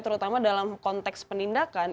terutama dalam konteks penindakan